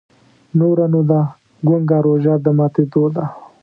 نوره نو دا ګونګه روژه د ماتېدو ده.